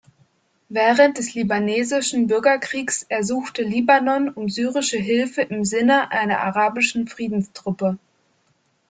Während des libanesischen Bürgerkriegs ersuchte Libanon um syrische Hilfe im Sinne einer arabischen Friedenstruppe.